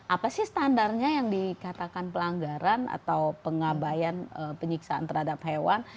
apa sih standarnya yang dikatakan pelanggaran atau pengabayan penyiksaan terhadap hewan